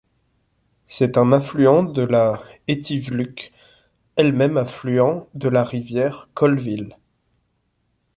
C'est un affluent de la Etivluk, elle-même affluent de la rivière Colville.